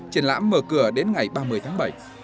triển lãm mở cửa đến ngày ba mươi tháng bảy